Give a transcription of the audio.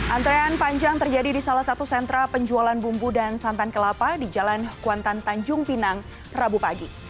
antrean panjang terjadi di salah satu sentra penjualan bumbu dan santan kelapa di jalan kuantan tanjung pinang rabu pagi